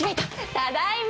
ただいま！